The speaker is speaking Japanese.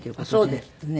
そうですってね。